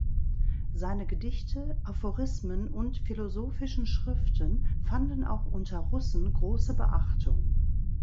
Seine Gedichte, Aphorismen und philosophischen Schriften fanden auch unter Russen große Beachtung.